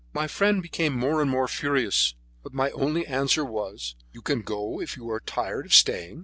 My friend became more and more furious, but my only answer was, "You can go if you are tired of staying.